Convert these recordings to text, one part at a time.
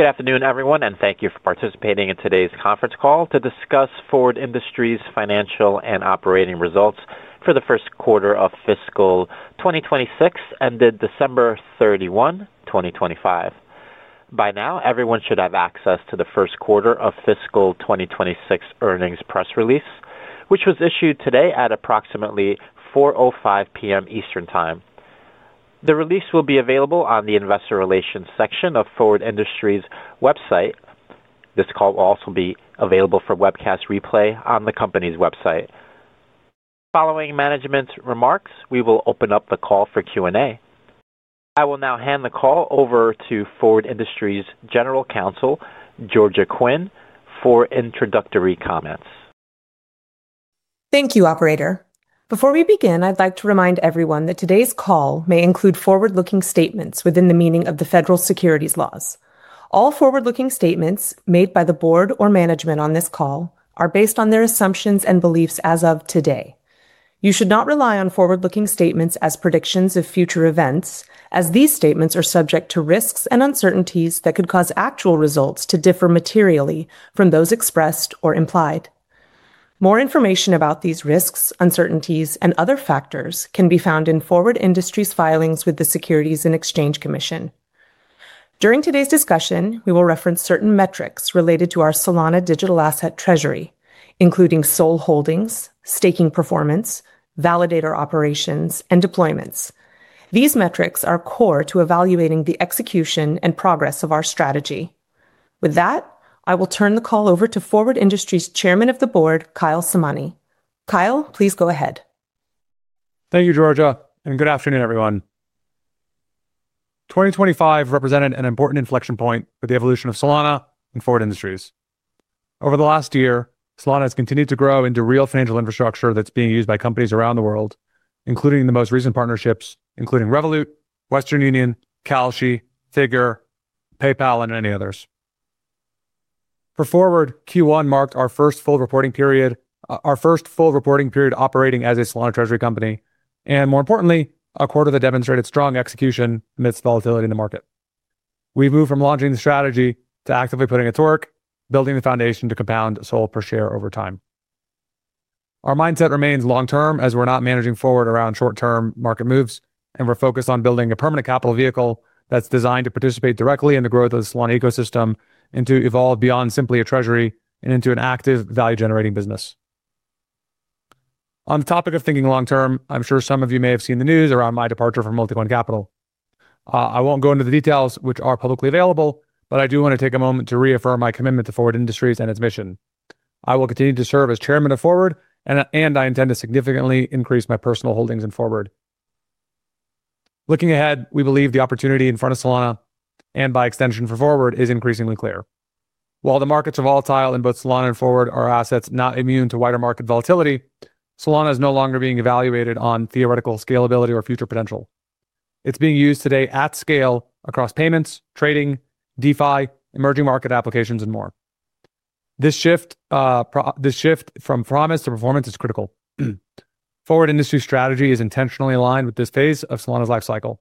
Good afternoon, everyone, and thank you for participating in today's conference call to discuss Forward Industries' financial and operating results for the first quarter of fiscal 2026 ended December 31, 2025. By now, everyone should have access to the first quarter of fiscal 2026 earnings press release, which was issued today at approximately 4:05 P.M. Eastern Time. The release will be available on the Investor Relations section of Forward Industries' website. This call will also be available for webcast replay on the company's website. Following management's remarks, we will open up the call for Q&A. I will now hand the call over to Forward Industries' General Counsel, Georgia Quinn, for introductory comments. Thank you, operator. Before we begin, I'd like to remind everyone that today's call may include forward-looking statements within the meaning of the federal securities laws. All forward-looking statements made by the board or management on this call are based on their assumptions and beliefs as of today. You should not rely on forward-looking statements as predictions of future events, as these statements are subject to risks and uncertainties that could cause actual results to differ materially from those expressed or implied. More information about these risks, uncertainties, and other factors can be found in Forward Industries' filings with the Securities and Exchange Commission. During today's discussion, we will reference certain metrics related to our Solana digital asset treasury, including SOL holdings, staking performance, validator operations, and deployments. These metrics are core to evaluating the execution and progress of our strategy. With that, I will turn the call over to Forward Industries' Chairman of the Board, Kyle Samani. Kyle, please go ahead. Thank you, Georgia, and good afternoon, everyone. 2025 represented an important inflection point for the evolution of Solana and Forward Industries. Over the last year, Solana has continued to grow into real financial infrastructure that's being used by companies around the world, including the most recent partnerships, including Revolut, Western Union, Kalshi, Figure, PayPal, and many others. For Forward, Q1 marked our first full reporting period, our first full reporting period operating as a Solana treasury company, and more importantly, a quarter that demonstrated strong execution amidst volatility in the market. We moved from launching the strategy to actively putting it to work, building the foundation to compound SOL per share over time. Our mindset remains long-term, as we're not managing Forward around short-term market moves, and we're focused on building a permanent capital vehicle that's designed to participate directly in the growth of the Solana ecosystem and to evolve beyond simply a treasury and into an active value-generating business. On the topic of thinking long-term, I'm sure some of you may have seen the news around my departure from Multicoin Capital. I won't go into the details which are publicly available, but I do want to take a moment to reaffirm my commitment to Forward Industries and its mission. I will continue to serve as chairman of Forward, and, and I intend to significantly increase my personal holdings in Forward. Looking ahead, we believe the opportunity in front of Solana, and by extension for Forward, is increasingly clear. While the markets are volatile, and both Solana and Forward are assets not immune to wider market volatility, Solana is no longer being evaluated on theoretical scalability or future potential. It's being used today at scale across payments, trading, DeFi, emerging market applications, and more. This shift from promise to performance is critical. Forward Industries' strategy is intentionally aligned with this phase of Solana's life cycle.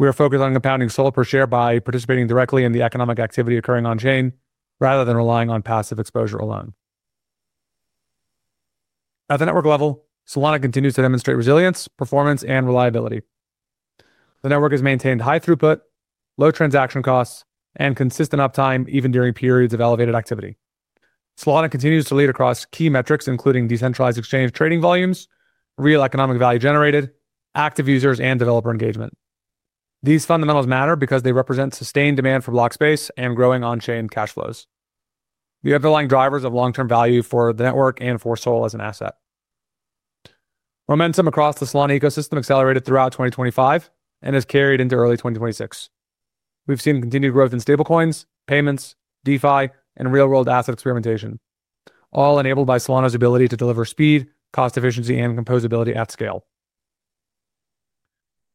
We are focused on compounding SOL per share by participating directly in the economic activity occurring on-chain, rather than relying on passive exposure alone. At the network level, Solana continues to demonstrate resilience, performance, and reliability. The network has maintained high throughput, low transaction costs, and consistent uptime, even during periods of elevated activity. Solana continues to lead across key metrics, including decentralized exchange trading volumes, real economic value generated, active users, and developer engagement. These fundamentals matter because they represent sustained demand for block space and growing on-chain cash flows. The underlying drivers of long-term value for the network and for SOL as an asset. Momentum across the Solana ecosystem accelerated throughout 2025 and has carried into early 2026. We've seen continued growth in stablecoins, payments, DeFi, and real-world asset experimentation, all enabled by Solana's ability to deliver speed, cost efficiency, and composability at scale.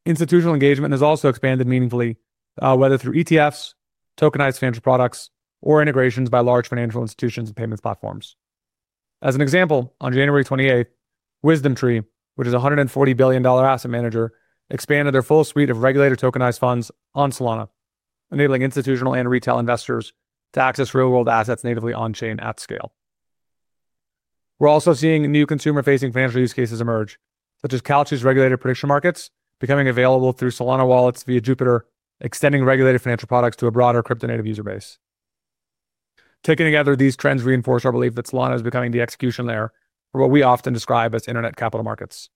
Institutional engagement has also expanded meaningfully, whether through ETFs, tokenized financial products, or integrations by large financial institutions and payments platforms. As an example, on January 28, WisdomTree, which is a $140 billion asset manager, expanded their full suite of regulated tokenized funds on Solana, enabling institutional and retail investors to access real-world assets natively on-chain at scale. We're also seeing new consumer-facing financial use cases emerge, such as Kalshi's regulated prediction markets becoming available through Solana wallets via Jupiter, extending regulated financial products to a broader crypto-native user base. Taken together, these trends reinforce our belief that Solana is becoming the execution layer for what we often describe as internet capital markets.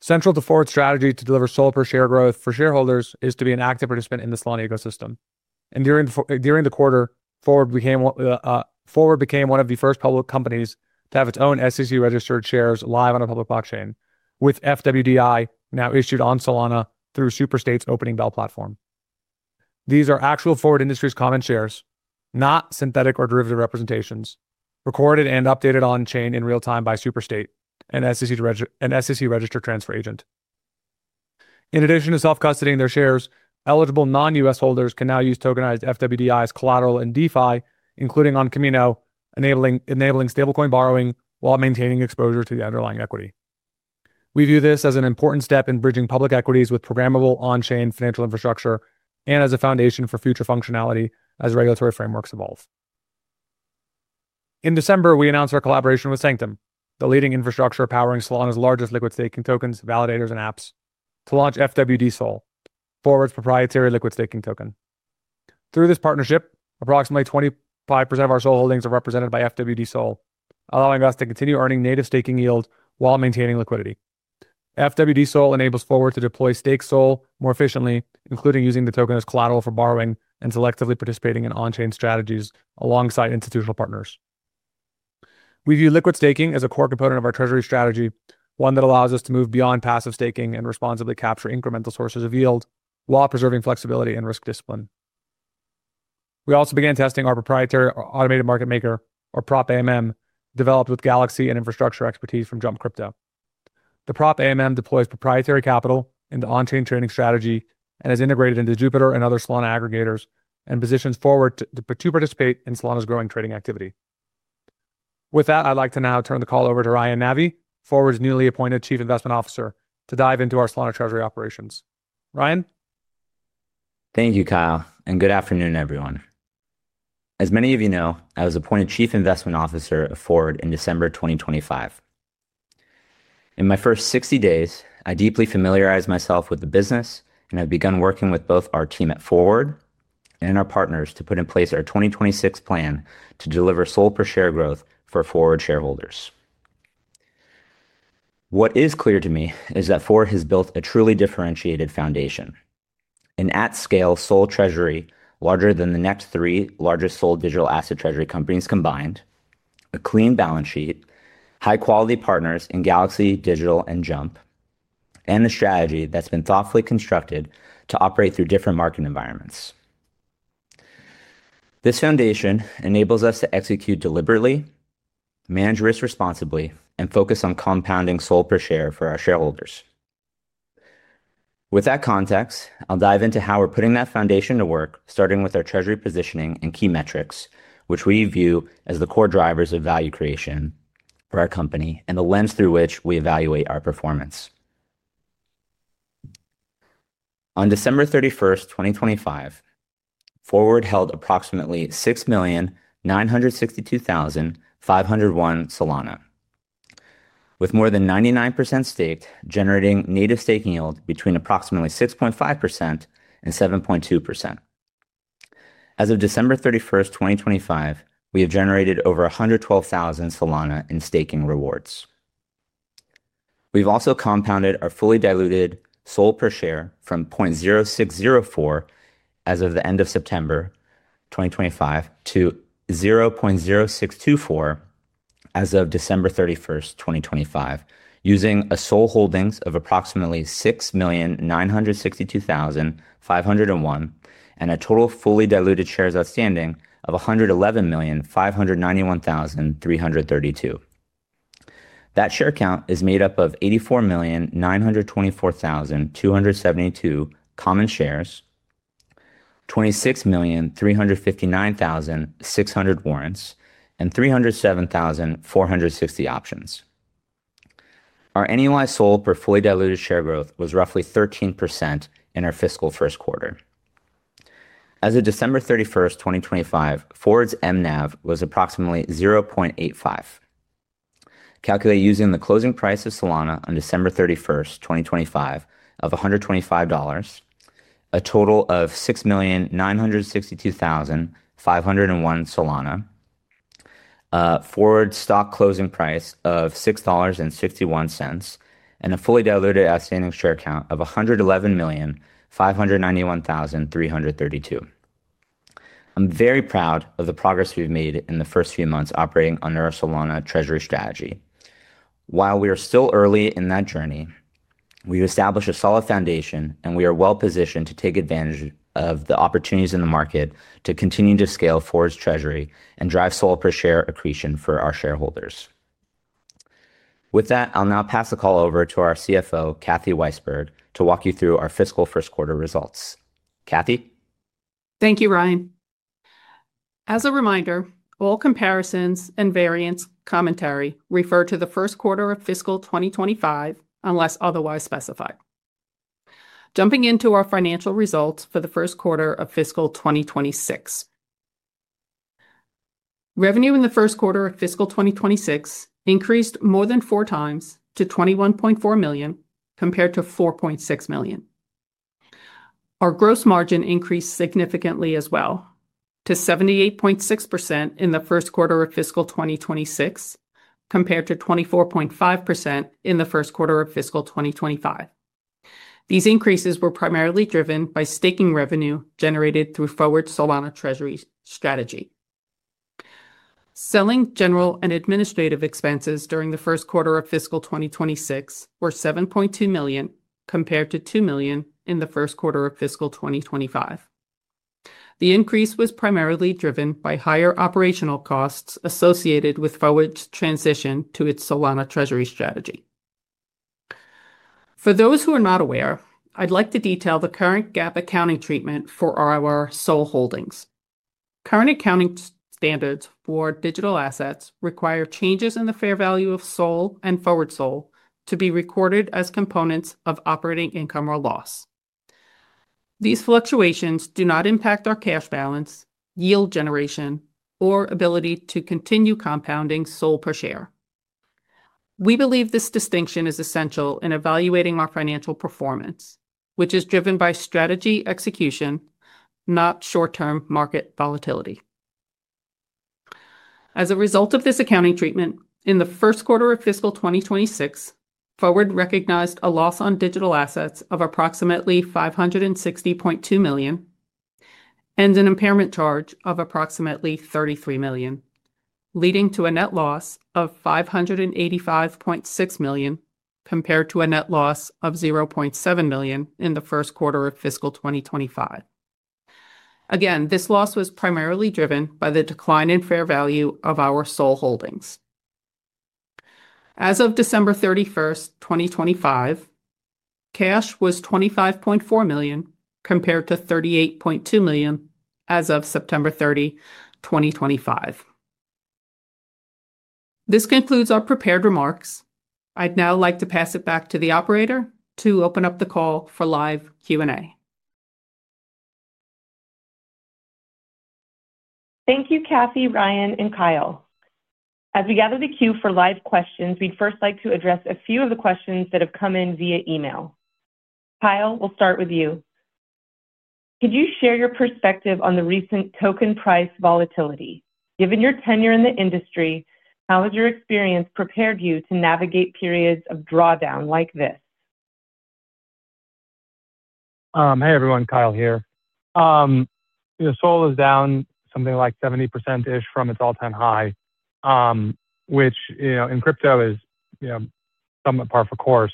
Central to Forward's strategy to deliver SOL per share growth for shareholders is to be an active participant in the Solana ecosystem. And during the quarter, Forward became one of the first public companies to have its own SEC-registered shares live on a public blockchain, with FWDI now issued on Solana through Superstate's Opening Bell platform. These are actual Forward Industries common shares, not synthetic or derivative representations, recorded and updated on chain in real time by Superstate, an SEC-registered transfer agent. In addition to self-custodying their shares, eligible non-US holders can now use tokenized FWDI as collateral in DeFi, including on Kamino, enabling stablecoin borrowing while maintaining exposure to the underlying equity. We view this as an important step in bridging public equities with programmable on-chain financial infrastructure and as a foundation for future functionality as regulatory frameworks evolve. In December, we announced our collaboration with Sanctum, the leading infrastructure powering Solana's largest liquid staking tokens, validators, and apps, to launch fwdSOL, Forward's proprietary liquid staking token. Through this partnership, approximately 25% of our SOL holdings are represented by fwdSOL, allowing us to continue earning native staking yield while maintaining liquidity. fwdSOL enables Forward to deploy staked SOL more efficiently, including using the token as collateral for borrowing and selectively participating in on-chain strategies alongside institutional partners. We view liquid staking as a core component of our treasury strategy, one that allows us to move beyond passive staking and responsibly capture incremental sources of yield, while preserving flexibility and risk discipline. We also began testing our proprietary automated market maker, or Prop AMM, developed with Galaxy and infrastructure expertise from Jump Crypto. The Prop AMM deploys proprietary capital into on-chain trading strategy and is integrated into Jupiter and other Solana aggregators, and positions Forward to participate in Solana's growing trading activity. With that, I'd like to now turn the call over to Ryan Navi, Forward's newly appointed Chief Investment Officer, to dive into our Solana treasury operations. Ryan? Thank you, Kyle, and good afternoon, everyone. As many of you know, I was appointed Chief Investment Officer of Forward in December 2025. In my first 60 days, I deeply familiarized myself with the business, and I've begun working with both our team at Forward and our partners to put in place our 2026 plan to deliver SOL per share growth for Forward shareholders. What is clear to me is that Forward has built a truly differentiated foundation, an at-scale SOL treasury larger than the next three largest SOL digital asset treasury companies combined, a clean balance sheet, high-quality partners in Galaxy Digital and Jump, and a strategy that's been thoughtfully constructed to operate through different market environments. This foundation enables us to execute deliberately, manage risk responsibly, and focus on compounding SOL per share for our shareholders. With that context, I'll dive into how we're putting that foundation to work, starting with our treasury positioning and key metrics, which we view as the core drivers of value creation for our company and the lens through which we evaluate our performance. On December 31st, 2025, Forward held approximately 6,962,501 Solana, with more than 99% staked, generating native staking yield between approximately 6.5% and 7.2%. As of December 31st, 2025, we have generated over 112,000 Solana in staking rewards. We've also compounded our fully diluted SOL per share from 0.0604 as of the end of September 2025, to 0.0624 as of December 31st, 2025, using SOL holdings of approximately 6,962,501, and a total fully diluted shares outstanding of 111,591,332. That share count is made up of 84,924,272 common shares, 26,359,600 warrants, and 307,460 options. Our NAV SOL per fully diluted share growth was roughly 13% in our fiscal first quarter. As of December 31st, 2025, Forward's MNAV was approximately 0.85, calculated using the closing price of Solana on December 31st, 2025, of $125, a total of 6,962,501 SOL, Forward stock closing price of $6.51, and a fully diluted outstanding share count of 111,591,332. I'm very proud of the progress we've made in the first few months operating under our Solana treasury strategy. While we are still early in that journey, we've established a solid foundation, and we are well-positioned to take advantage of the opportunities in the market to continue to scale Forward's treasury and drive SOL per share accretion for our shareholders. With that, I'll now pass the call over to our CFO, Kathy Weisberg, to walk you through our fiscal first quarter results. Kathy? Thank you, Ryan. As a reminder, all comparisons and variance commentary refer to the first quarter of fiscal 2025, unless otherwise specified. Jumping into our financial results for the first quarter of fiscal 2026. Revenue in the first quarter of fiscal 2026 increased more than 4 times to $21.4 million, compared to $4.6 million. Our gross margin increased significantly as well, to 78.6% in the first quarter of fiscal 2026, compared to 24.5% in the first quarter of fiscal 2025. These increases were primarily driven by staking revenue generated through Forward's Solana treasury strategy. Selling, general, and administrative expenses during the first quarter of fiscal 2026 were $7.2 million, compared to $2 million in the first quarter of fiscal 2025. The increase was primarily driven by higher operational costs associated with Forward's transition to its Solana treasury strategy. For those who are not aware, I'd like to detail the current GAAP accounting treatment for our SOL holdings. Current accounting standards for digital assets require changes in the fair value of SOL and fwdSOL to be recorded as components of operating income or loss. These fluctuations do not impact our cash balance, yield generation, or ability to continue compounding SOL per share. We believe this distinction is essential in evaluating our financial performance, which is driven by strategy execution, not short-term market volatility. As a result of this accounting treatment, in the first quarter of fiscal 2026, Forward recognized a loss on digital assets of approximately $560.2 million and an impairment charge of approximately $33 million, leading to a net loss of $585.6 million, compared to a net loss of $0.7 million in the first quarter of fiscal 2025. Again, this loss was primarily driven by the decline in fair value of our SOL holdings. As of December 31, 2025, cash was $25.4 million, compared to $38.2 million as of September 30, 2025. This concludes our prepared remarks. I'd now like to pass it back to the operator to open up the call for live Q&A. Thank you, Kathy, Ryan, and Kyle. As we gather the queue for live questions, we'd first like to address a few of the questions that have come in via email. Kyle, we'll start with you. Could you share your perspective on the recent token price volatility? Given your tenure in the industry, how has your experience prepared you to navigate periods of drawdown like this? Hey, everyone, Kyle here. You know, SOL is down something like 70%-ish from its all-time high, which, you know, in crypto is, you know, somewhat par for course.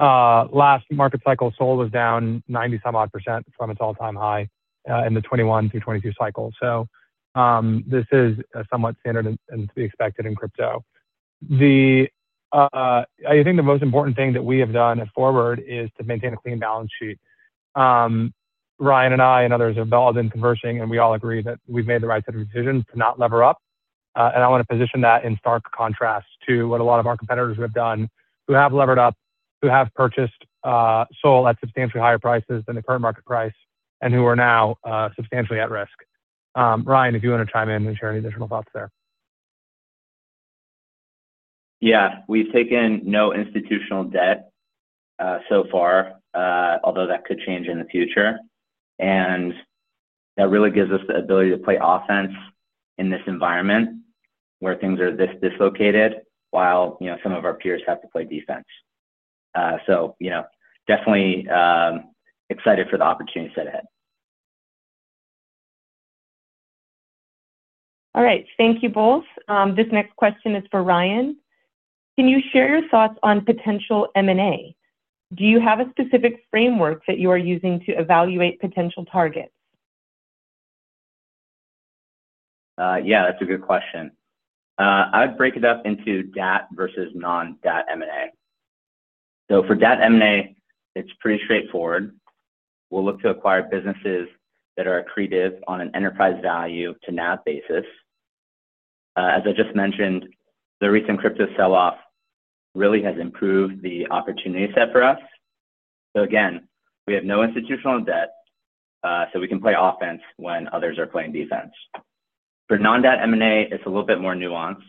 Last market cycle, SOL was down ninety some odd percent from its all-time high, in the 2021 through 2022 cycle. So, this is somewhat standard and to be expected in crypto. I think the most important thing that we have done at Forward is to maintain a clean balance sheet. Ryan and I and others have all been conversing, and we all agree that we've made the right set of decisions to not lever up. I want to position that in stark contrast to what a lot of our competitors have done, who have levered up, who have purchased SOL at substantially higher prices than the current market price, and who are now substantially at risk. Ryan, if you want to chime in and share any additional thoughts there. Yeah, we've taken no institutional debt so far, although that could change in the future. That really gives us the ability to play offense in this environment where things are this dislocated, while, you know, some of our peers have to play defense. So, you know, definitely excited for the opportunities ahead. All right. Thank you both. This next question is for Ryan. Can you share your thoughts on potential M&A? Do you have a specific framework that you are using to evaluate potential targets? Yeah, that's a good question. I'd break it up into DAT versus non-DAT M&A. For DAT M&A, it's pretty straightforward. We'll look to acquire businesses that are accretive on an enterprise value to NAV basis. As I just mentioned, the recent crypto sell-off really has improved the opportunity set for us. Again, we have no institutional debt, so we can play offense when others are playing defense. For non-DAT M&A, it's a little bit more nuanced.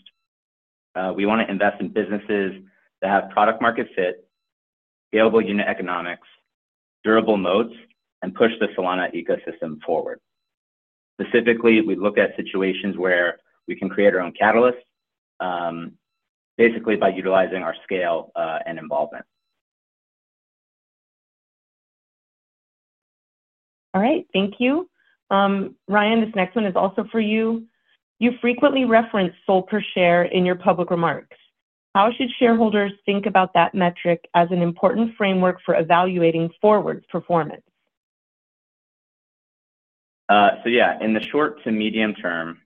We wanna invest in businesses that have product market fit, scalable unit economics, durable moats, and push the Solana ecosystem forward. Specifically, we look at situations where we can create our own catalyst, basically by utilizing our scale and involvement. All right. Thank you. Ryan, this next one is also for you. You frequently reference SOL per share in your public remarks. How should shareholders think about that metric as an important framework for evaluating Forward's performance? So yeah, in the short to medium term,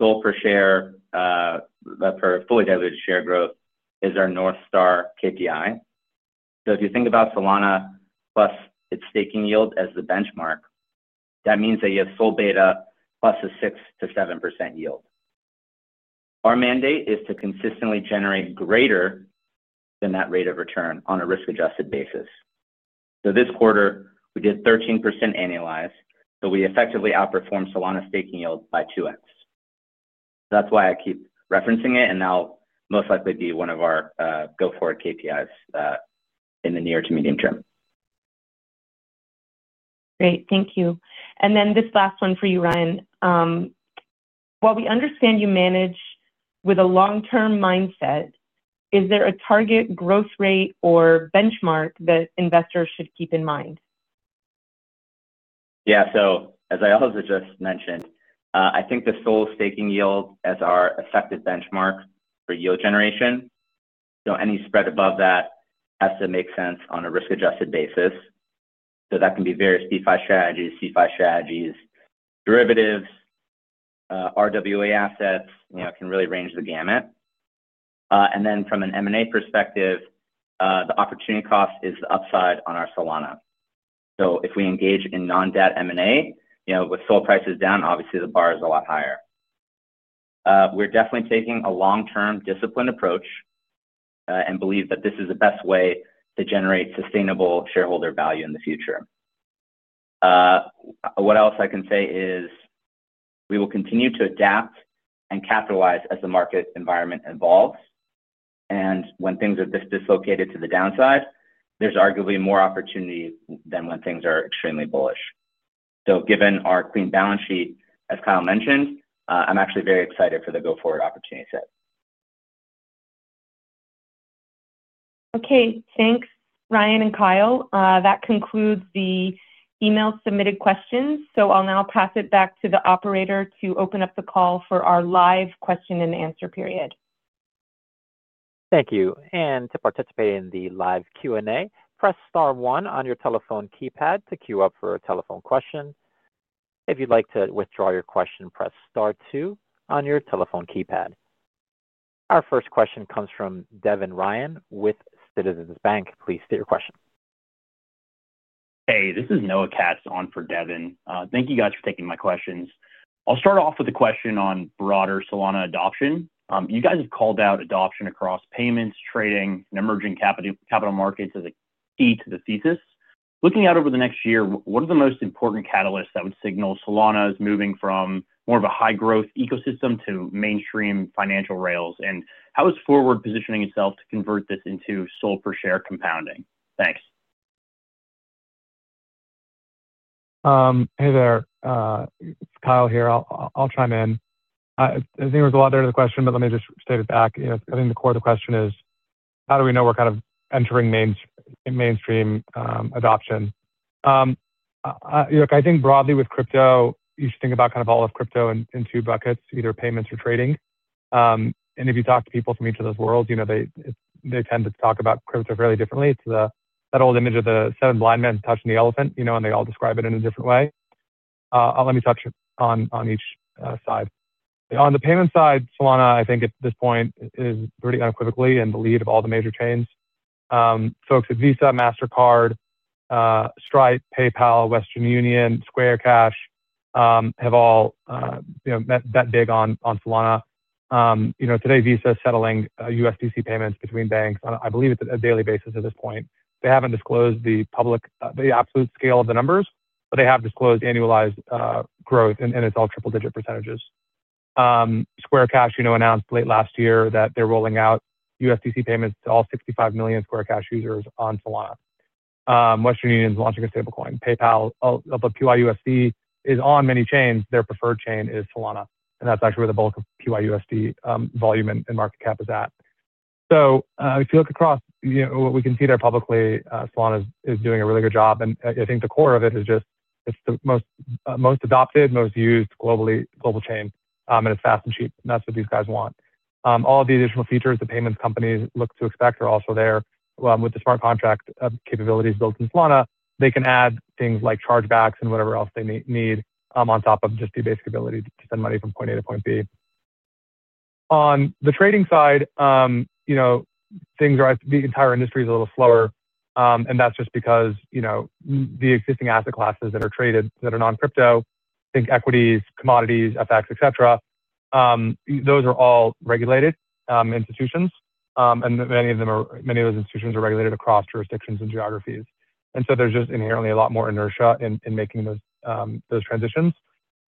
SOL per share, per fully diluted share growth is our North Star KPI. So if you think about Solana plus its staking yield as the benchmark, that means that you have full beta plus a 6%-7% yield. Our mandate is to consistently generate greater than that rate of return on a risk-adjusted basis. So this quarter, we did 13% annualized, so we effectively outperformed Solana staking yield by 2x. That's why I keep referencing it, and that'll most likely be one of our, go-forward KPIs, in the near to medium term. Great, thank you. This last one for you, Ryan. While we understand you manage with a long-term mindset, is there a target growth rate or benchmark that investors should keep in mind? Yeah, so as I also just mentioned, I think the SOL staking yield as our effective benchmark for yield generation. So any spread above that has to make sense on a risk-adjusted basis. So that can be various DeFi strategies, CeFi strategies, derivatives, RWA assets, you know, it can really range the gamut. And then from an M&A perspective, the opportunity cost is the upside on our Solana. So if we engage in non-debt M&A, you know, with SOL prices down, obviously the bar is a lot higher. We're definitely taking a long-term disciplined approach, and believe that this is the best way to generate sustainable shareholder value in the future. What else I can say is we will continue to adapt and capitalize as the market environment evolves, and when things are this dislocated to the downside, there's arguably more opportunity than when things are extremely bullish. So given our clean balance sheet, as Kyle mentioned, I'm actually very excited for the go-forward opportunity set. Okay, thanks, Ryan and Kyle. That concludes the email submitted questions, so I'll now pass it back to the operator to open up the call for our live question and answer period. Thank you, and to participate in the live Q&A, press star one on your telephone keypad to queue up for a telephone question. If you'd like to withdraw your question, press star two on your telephone keypad. Our first question comes from Devin Ryan with Citizens Bank. Please state your question. Hey, this is Noah Katz on for Devin. Thank you guys for taking my questions. I'll start off with a question on broader Solana adoption. You guys have called out adoption across payments, trading, and emerging capital, capital markets as a key to the thesis. Looking out over the next year, what are the most important catalysts that would signal Solana is moving from more of a high-growth ecosystem to mainstream financial rails? And how is Forward positioning itself to convert this into SOL per share compounding? Thanks. Hey there, Kyle here. I'll chime in. I think there was a lot there to the question, but let me just state it back. You know, I think the core of the question is, how do we know we're kind of entering mainstream adoption? Look, I think broadly with crypto, you should think about kind of all of crypto in two buckets, either payments or trading. If you talk to people from each of those worlds, you know, they tend to talk about crypto fairly differently. It's that old image of the seven blind men touching the elephant, you know, and they all describe it in a different way. Let me touch on each side. On the payment side, Solana, I think at this point, is pretty unequivocally in the lead of all the major chains. Folks at Visa, Mastercard, Stripe, PayPal, Western Union, Square Cash have all, you know, bet big on Solana. You know, today, Visa is settling USDC payments between banks, I believe, on a daily basis at this point. They haven't disclosed publicly the absolute scale of the numbers, but they have disclosed annualized growth, and it's all triple-digit percentages. Square Cash, you know, announced late last year that they're rolling out USDC payments to all 65 million Square Cash users on Solana. Western Union is launching a stablecoin. PayPal, although PYUSD is on many chains, their preferred chain is Solana, and that's actually where the bulk of PYUSD volume and market cap is at. So, if you look across, you know, what we can see there publicly, Solana is doing a really good job, and I think the core of it is just it's the most adopted, most used global chain, and it's fast and cheap, and that's what these guys want. All the additional features the payments companies look to expect are also there. With the smart contract capabilities built in Solana, they can add things like chargebacks and whatever else they need on top of just the basic ability to send money from point A to point B. On the trading side, you know, things are the entire industry is a little slower, and that's just because, you know, the existing asset classes that are traded that are non-crypto, think equities, commodities, FX, etcetera, those are all regulated institutions, and many of those institutions are regulated across jurisdictions and geographies. And so there's just inherently a lot more inertia in making those transitions.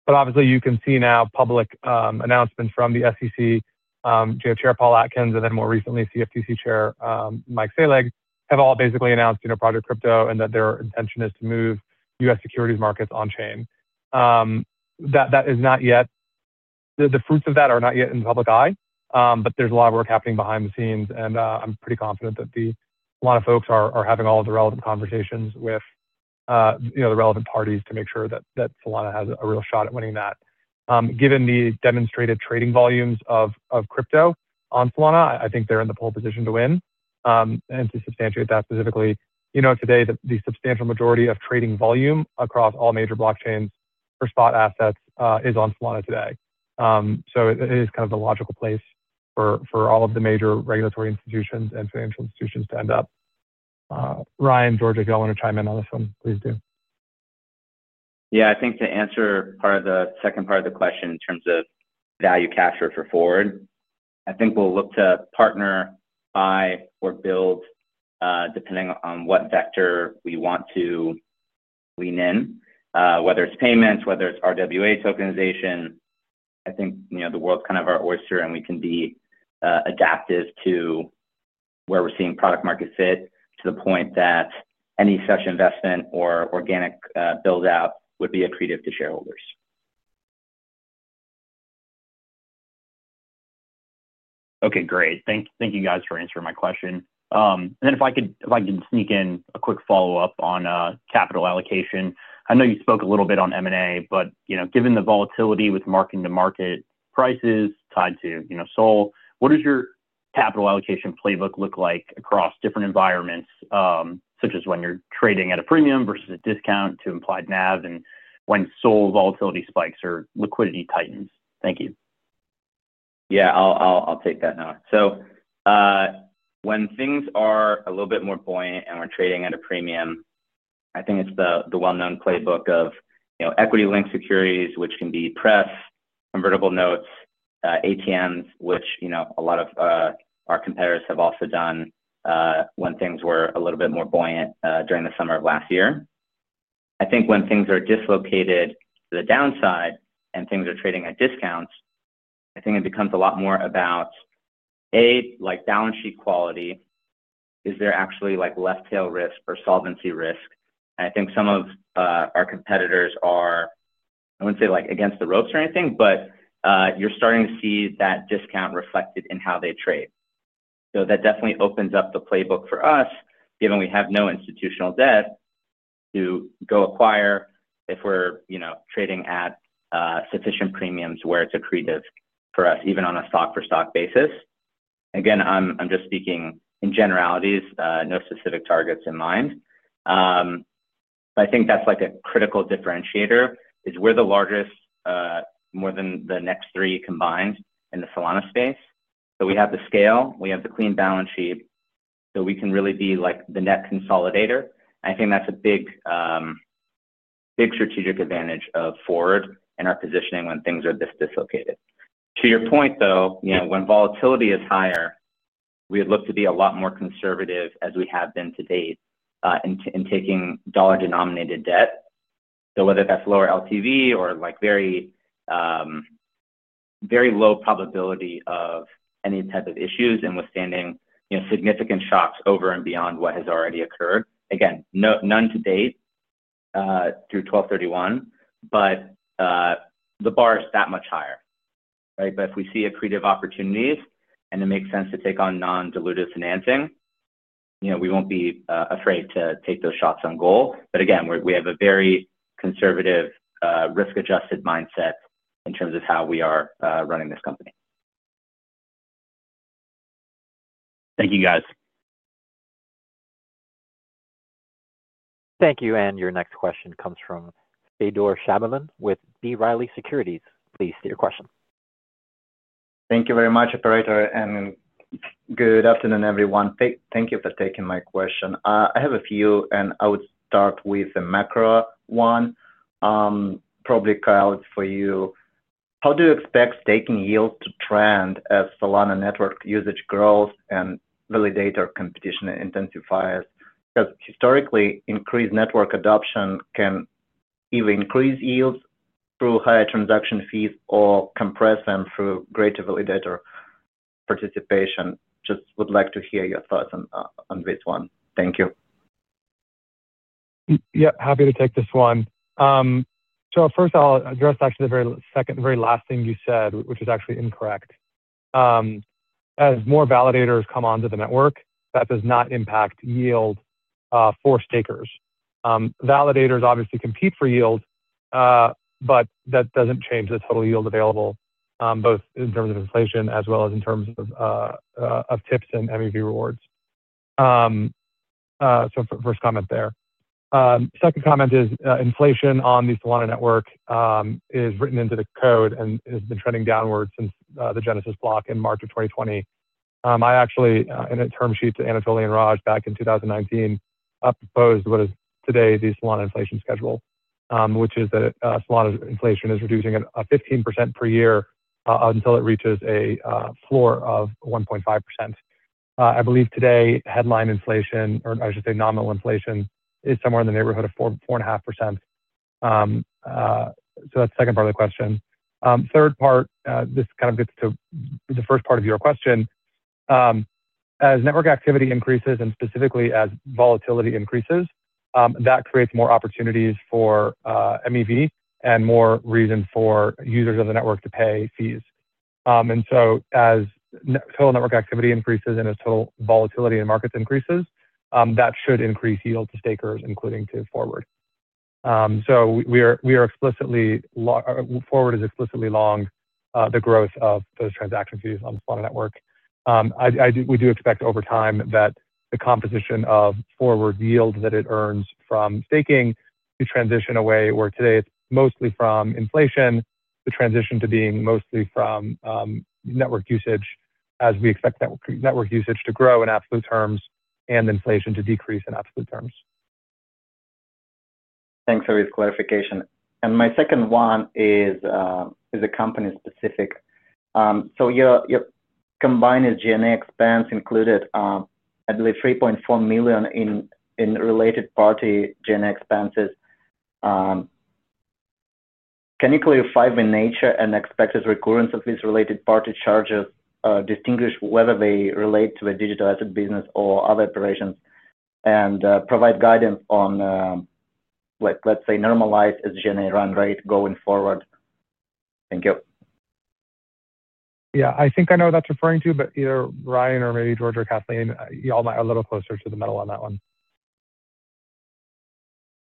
But obviously, you can see now public announcements from the SEC Chair Paul Atkins, and then more recently, CFTC Chair Mike Selig, have all basically announced, you know, Project Crypto and that their intention is to move U.S. securities markets on chain. That is not yet, the fruits of that are not yet in the public eye, but there's a lot of work happening behind the scenes, and I'm pretty confident that the Solana folks are having all of the relevant conversations with, you know, the relevant parties to make sure that Solana has a real shot at winning that. Given the demonstrated trading volumes of crypto on Solana, I think they're in the pole position to win. And to substantiate that specifically, you know, today, the substantial majority of trading volume across all major blockchains for spot assets is on Solana today. So it is kind of the logical place for all of the major regulatory institutions and financial institutions to end up. Ryan, Georgia, if y'all want to chime in on this one, please do. Yeah, I think to answer part of the second part of the question in terms of value capture for Forward, I think we'll look to partner, buy or build, depending on what vector we want to lean in, whether it's payments, whether it's RWA tokenization. I think, you know, the world's kind of our oyster, and we can be adaptive to where we're seeing product market fit, to the point that any such investment or organic build-out would be accretive to shareholders. Okay, great. Thank you guys for answering my question. And then if I can sneak in a quick follow-up on capital allocation. I know you spoke a little bit on M&A, but, you know, given the volatility with mark-to-market prices tied to, you know, SOL, what does your capital allocation playbook look like across different environments, such as when you're trading at a premium versus a discount to implied NAV and when SOL volatility spikes or liquidity tightens? Thank you. Yeah, I'll take that now. So, when things are a little bit more buoyant and we're trading at a premium, I think it's the well-known playbook of, you know, equity-linked securities, which can be pref, convertible notes, ATMs, which, you know, a lot of our competitors have also done, when things were a little bit more buoyant, during the summer of last year. I think when things are dislocated to the downside and things are trading at discounts, I think it becomes a lot more about, A, like, balance sheet quality. Is there actually, like, left tail risk or solvency risk? And I think some of our competitors are, I wouldn't say, like, against the ropes or anything, but, you're starting to see that discount reflected in how they trade. So that definitely opens up the playbook for us, given we have no institutional debt, to go acquire if we're, you know, trading at sufficient premiums where it's accretive for us, even on a stock-for-stock basis. Again, I'm just speaking in generalities, no specific targets in mind. But I think that's, like, a critical differentiator, is we're the largest, more than the next three combined in the Solana space. So we have the scale, we have the clean balance sheet, so we can really be, like, the net consolidator. I think that's a big, big strategic advantage of Forward and our positioning when things are this dislocated. To your point, though, you know, when volatility is higher, we would look to be a lot more conservative as we have been to date, in taking dollar-denominated debt. So whether that's lower LTV or, like, very, very low probability of any type of issues and withstanding, you know, significant shocks over and beyond what has already occurred. Again, none to date, through 12/31, but, the bar is that much higher, right? But if we see accretive opportunities and it makes sense to take on non-dilutive financing, you know, we won't be, afraid to take those shots on goal. But again, we have a very conservative, risk-adjusted mindset in terms of how we are, running this company. Thank you, guys. Thank you, and your next question comes from Fedor Shabalin with B. Riley Securities. Please state your question. Thank you very much, operator, and good afternoon, everyone. Thank you for taking my question. I have a few, and I would start with a macro one. Probably, Kyle, it's for you. How do you expect staking yields to trend as Solana network usage grows and validator competition intensifies? Because historically, increased network adoption can either increase yields through higher transaction fees or compress them through greater validator participation. Just would like to hear your thoughts on this one. Thank you. Yeah, happy to take this one. So first I'll address actually the very second, the very last thing you said, which is actually incorrect. As more validators come onto the network, that does not impact yield for stakers. Validators obviously compete for yield, but that doesn't change the total yield available, both in terms of inflation as well as in terms of tips and MEV rewards. So first comment there. Second comment is, inflation on the Solana network, is written into the code and has been trending downwards since the genesis block in March of 2020. I actually, in a term sheet to Anatoly and Raj back in 2019, proposed what is today the Solana inflation schedule. Which is that Solana's inflation is reducing at 15% per year until it reaches a floor of 1.5%. I believe today, headline inflation, or I should say nominal inflation, is somewhere in the neighborhood of 4%-4.5%. So that's the second part of the question. Third part, this kind of gets to the first part of your question. As network activity increases, and specifically as volatility increases, that creates more opportunities for MEV and more reason for users of the network to pay fees. And so as total network activity increases and as total volatility in markets increases, that should increase yield to stakers, including to Forward. So we are explicitly long the growth of those transaction fees on the Solana network. We do expect over time that the composition of Forward yield that it earns from staking to transition away, where today it's mostly from inflation, to transition to being mostly from network usage, as we expect network usage to grow in absolute terms and inflation to decrease in absolute terms. Thanks for this clarification. My second one is a company specific. So your combined G&A expense included, I believe $3.4 million in related party G&A expenses. Can you clarify the nature and expected recurrence of these related party charges, distinguish whether they relate to the digital asset business or other operations? And provide guidance on, like, let's say, normalized G&A run rate going forward. Thank you. Yeah, I think I know what that's referring to, but either Ryan or maybe Georgia or Kathleen, you all might be a little closer to the metal on that one.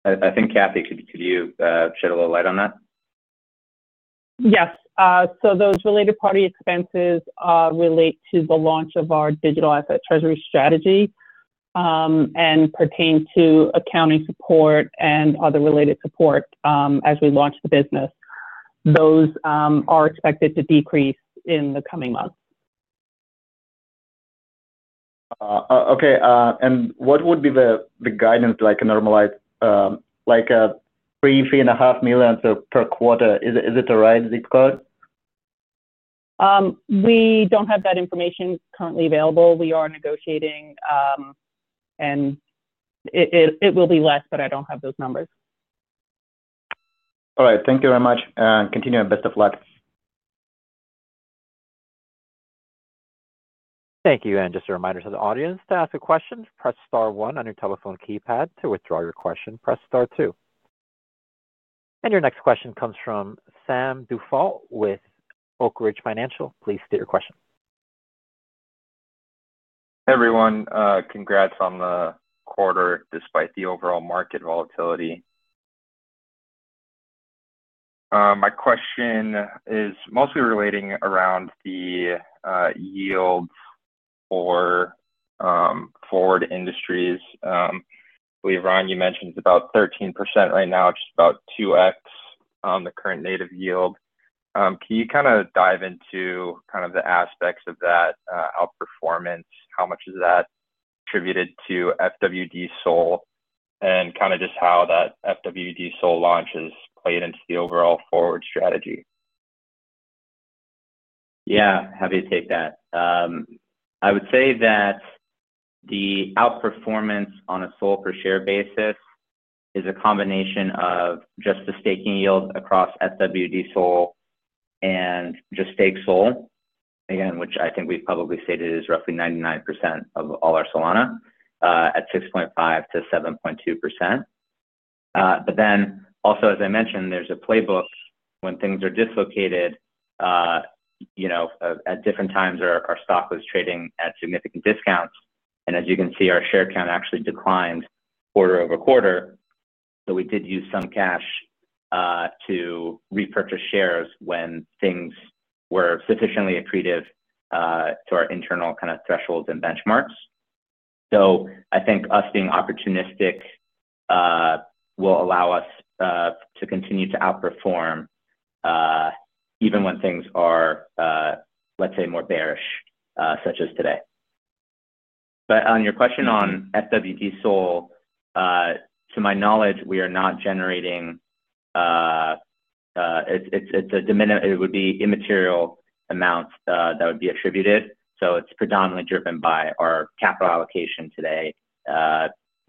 I think, Kathy, could you shed a little light on that?... Yes. So those related party expenses relate to the launch of our digital asset treasury strategy, and pertain to accounting support and other related support, as we launch the business. Those are expected to decrease in the coming months. Okay. What would be the guidance, like, a normalized, like, $3-$3.5 million per quarter? Is it the right zip code? We don't have that information currently available. We are negotiating, and it will be less, but I don't have those numbers. All right. Thank you very much, and continue and best of luck. Thank you, and just a reminder to the audience, to ask a question, press star one on your telephone keypad. To withdraw your question, press star two. And your next question comes from Sam Dufault with Oak Ridge Financial. Please state your question. Everyone, congrats on the quarter, despite the overall market volatility. My question is mostly relating around the yields for Forward Industries. I believe, Ron, you mentioned it's about 13% right now, just about 2x on the current native yield. Can you kinda dive into kind of the aspects of that outperformance? How much is that attributed to fwdSOL, and kinda just how that fwdSOL launch has played into the overall Forward strategy? Yeah, happy to take that. I would say that the outperformance on a SOL per share basis is a combination of just the staking yield across FWD SOL and just stake SOL. Again, which I think we've probably stated, is roughly 99% of all our Solana at 6.5%-7.2%. But then also, as I mentioned, there's a playbook when things are dislocated. You know, at different times, our stock was trading at significant discounts, and as you can see, our share count actually declined quarter-over-quarter. So we did use some cash to repurchase shares when things were sufficiently accretive to our internal kinda thresholds and benchmarks. So I think us being opportunistic will allow us to continue to outperform even when things are, let's say, more bearish such as today. But on your question on fwdSOL, to my knowledge, we are not generating. It would be immaterial amounts that would be attributed, so it's predominantly driven by our capital allocation today,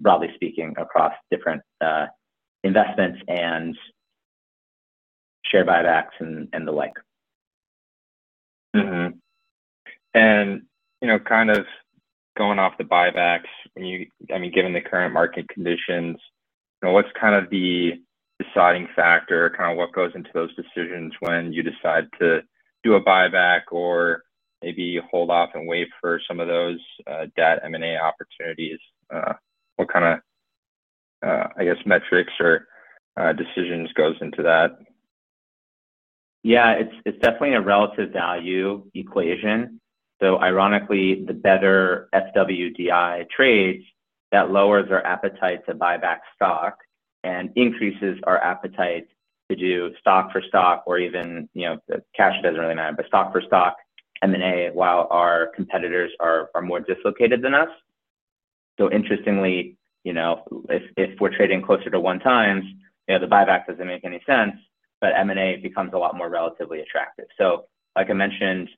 broadly speaking, across different investments and share buybacks and the like. Mm-hmm. And, you know, kind of going off the buybacks, when you, I mean, given the current market conditions, you know, what's kind of the deciding factor, kind of what goes into those decisions when you decide to do a buyback or maybe hold off and wait for some of those, debt M&A opportunities? What kind of, I guess, metrics or decisions goes into that? Yeah, it's definitely a relative value equation. So ironically, the better FWDI trades, that lowers our appetite to buy back stock and increases our appetite to do stock for stock or even, you know, cash, it doesn't really matter, but stock for stock M&A, while our competitors are more dislocated than us. So interestingly, you know, if we're trading closer to one times, you know, the buyback doesn't make any sense, but M&A becomes a lot more relatively attractive. So like I mentioned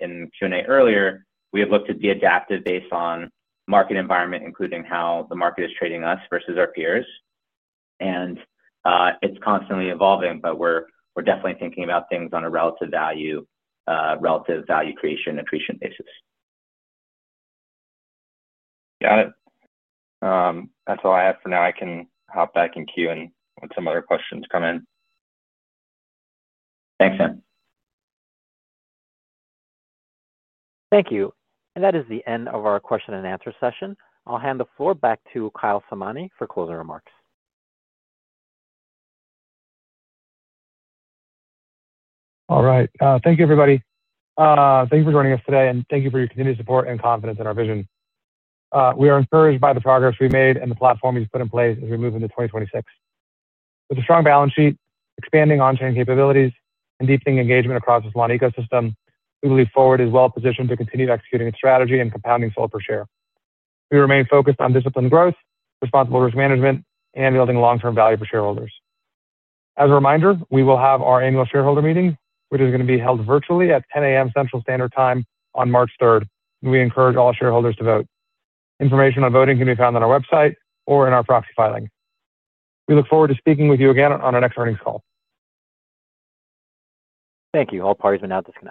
in the Q&A earlier, we have looked to be adaptive based on market environment, including how the market is trading us versus our peers. And it's constantly evolving, but we're definitely thinking about things on a relative value, relative value creation appreciation basis. Got it. That's all I have for now. I can hop back in queue and when some other questions come in. Thanks, Sam. Thank you. That is the end of our question and answer session. I'll hand the floor back to Kyle Samani for closing remarks. All right. Thank you, everybody. Thank you for joining us today, and thank you for your continued support and confidence in our vision. We are encouraged by the progress we made and the platform we've put in place as we move into 2026. With a strong balance sheet, expanding on-chain capabilities, and deepening engagement across the Solana ecosystem, we believe Forward is well-positioned to continue executing its strategy and compounding SOL per share. We remain focused on disciplined growth, responsible risk management, and building long-term value for shareholders. As a reminder, we will have our annual shareholder meeting, which is gonna be held virtually at 10:00 A.M. Central Standard Time on March third. We encourage all shareholders to vote. Information on voting can be found on our website or in our proxy filing. We look forward to speaking with you again on our next earnings call. Thank you. All parties may now disconnect.